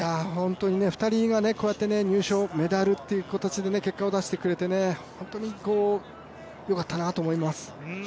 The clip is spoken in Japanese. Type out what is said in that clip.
２人がこうやって入賞、メダルっていうことで結果を出してくれて、本当によかったなと思います。